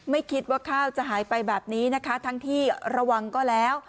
ไม่คิดว่าข้าวจะหายไปแบบนี้นะคะทั้งที่ระวังก็แล้ว